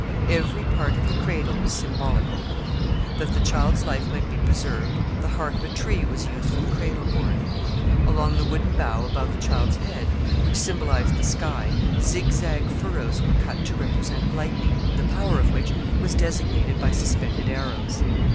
Every part of the cradle was symbolical. That the child's life might be preserved, the heart of a tree was used for the cradle board. Along the wooden bow above the child's head, which symbolized the sky, zigzag furrows were cut to represent lightning, the power of which was designated by suspended arrows.